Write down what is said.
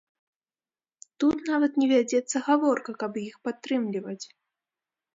Тут нават не вядзецца гаворка, каб іх падтрымліваць.